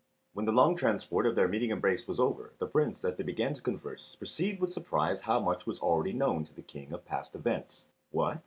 When the long transport of their meeting embrace was over, the Prince, as they began to converse, perceived with surprise how much was already known to the King of past events. "What?"